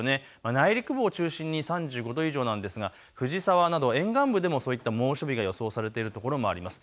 内陸部を中心に３５度以上なんですが、藤沢など沿岸部でもそういった猛暑日が予想されているところもあります。